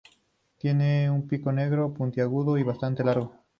Tiene un pico negro, puntiagudo y bastante largo.